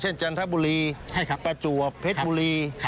เช่นจันทบุรีประจวบเผ็ดบุรี